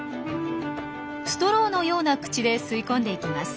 ストローのような口で吸い込んでいきます。